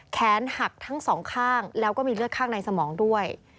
แขนหักทั้งสองข้างแล้วก็มีเลือดข้างในสมองด้วย